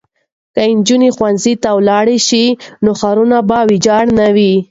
که نجونې ښوونځي ته لاړې شي نو ښارونه به ویجاړ نه وي.